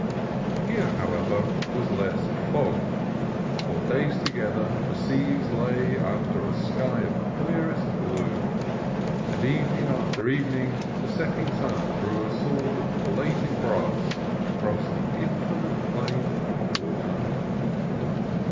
Here, however, there was less of fog: for days to gether the sea lay under a sky of clearest blue, and evening after evening the setting sun drew a sword of blazing brass across the infinite plain of water.